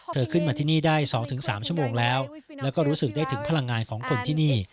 ขึ้นมาที่นี่ได้๒๓ชั่วโมงแล้วแล้วก็รู้สึกได้ถึงพลังงานของคนที่นี่